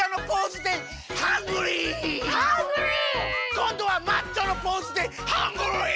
こんどはマッチョのポーズでハングリー！